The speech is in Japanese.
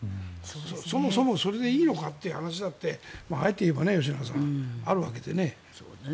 そもそもそれでいいのかという話だってあえて言えばね、吉永さんあるわけでね。